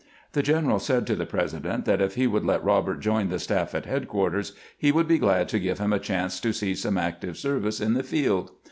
The general said to the President that if he would let Eobert join the staff at headquarters, he would be glad to give him a chance to see some active service in the field.